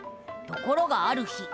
ところがある日。